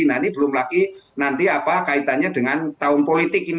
nah ini belum lagi nanti apa kaitannya dengan tahun politik ini